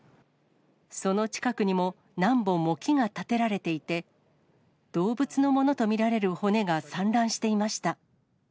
その近くにも、何本も木が立てられていて、動物のものと見られる骨が散乱していました。